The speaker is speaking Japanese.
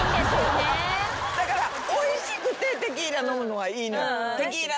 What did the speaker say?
だからおいしくてテキーラ飲むのはいいのよ。